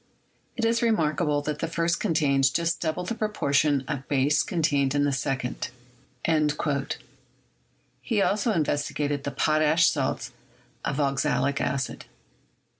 It is remarkable that the first contains just double the proportion of base contained in the second." He also investigated the potash salts of oxalic acid.